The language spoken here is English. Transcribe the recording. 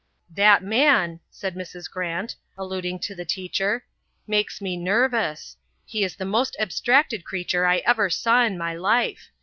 "That man," said Mrs. Grant, alluding to the teacher, "makes me nervous. He is the most abstracted creature I ever saw in my life.